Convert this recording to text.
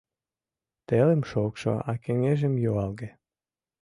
Телым шокшо, а кеҥежым юалге.